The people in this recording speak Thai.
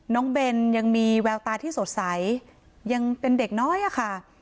เบนยังมีแววตาที่สดใสยังเป็นเด็กน้อยอะค่ะ